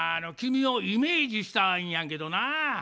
君をイメージしたんやけどな。